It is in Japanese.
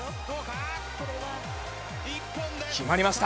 決まりました。